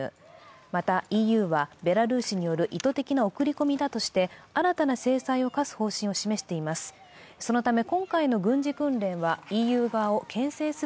また、ＥＵはベラルーシによる意図的な送り込みだとして、新たな制裁を科す方針を示しています。